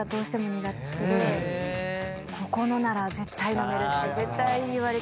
「ここのなら絶対飲める」って絶対言われちゃって。